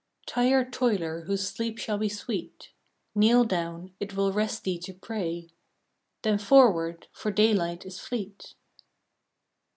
Tired toiler whose sleep shall be sweet, Kneel down, it will rest thee to pray: Then forward, for daylight is fleet.